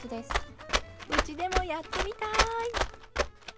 うちでもやってみたい！